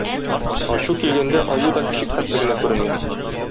Ачу килгәндә аю да кечек хәтле генә күренә.